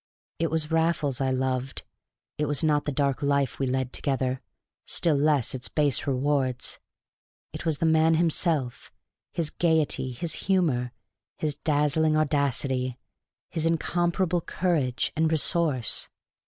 It was Raffles I loved. It was not the dark life we led together, still less its base rewards; it was the man himself, his gayety, his humor, his dazzling audacity, his incomparable courage and resource.